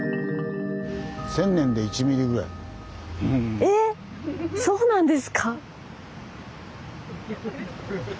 えっ⁉そうなんですか。